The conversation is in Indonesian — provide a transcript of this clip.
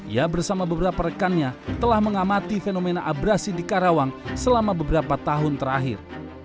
ia bersama beberapa rekannya telah mengamati fenomena abrasi di karawang selama beberapa tahun terakhir